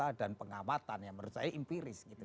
fakta data dan pengawatan yang menurut saya empiris